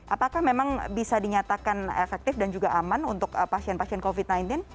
apakah memang bisa dinyatakan efektif dan juga aman untuk pasien pasien covid sembilan belas